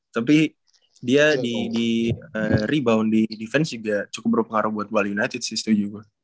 tapi dia di rebound di defense juga cukup berpengaruh buat bali united sih setuju